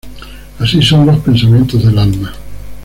Así son los pensamientos del alma